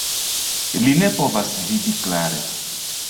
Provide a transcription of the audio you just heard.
Li ne povas vidi klare.